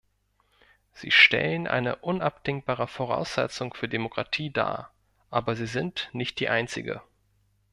Sie stellen eine unabdingbare Voraussetzung für Demokratie dar, aber sie sind nicht die einzige.